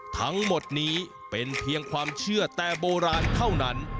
ทั้งหมดนี้เป็นเพียงความเชื่อแต่โบราณเท่านั้น